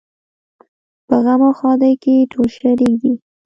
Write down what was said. په غم او ښادۍ کې ټول شریک دي.